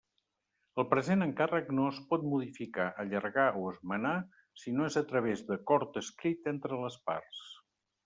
El present encàrrec no es pot modificar, allargar o esmenar si no és a través d'acord escrit entre les parts.